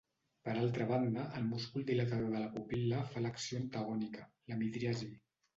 Per altra banda, el múscul dilatador de la pupil·la fa l'acció antagònica, la midriasi.